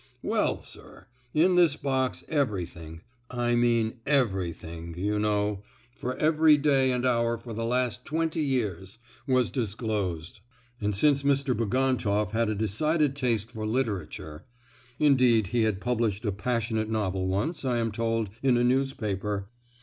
Well, sir, in this box everything—I mean everything, you know, for every day and hour for the last twenty years—was disclosed; and since Mr. Bagantoff had a decided taste for literature (indeed, he had published a passionate novel once, I am told, in a newspaper!)